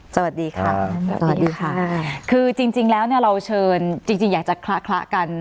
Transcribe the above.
สวัสดีค่ะคือจริงแล้วเราเชิญจริงอยากจะคละกัน